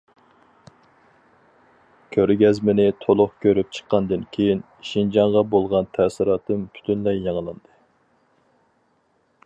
كۆرگەزمىنى تولۇق كۆرۈپ چىققاندىن كېيىن، شىنجاڭغا بولغان تەسىراتىم پۈتۈنلەي يېڭىلاندى.